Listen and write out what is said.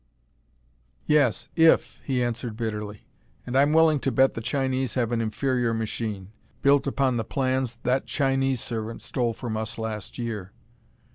"Yes if!" he answered bitterly. "And I'm willing to bet the Chinese have an inferior machine, built upon the plans that Chinese servant stole from us last year."